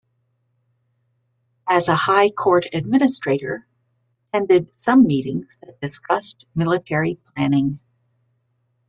As a high court administrator attended some meetings that discussed military planning.